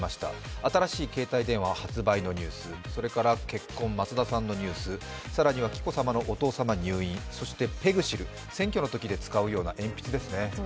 新しい携帯電話発売のニュース、結婚松田さんのニュース、更には紀子さまのお父様が入院そしてペグシル、選挙のときで使うような鉛筆ですね。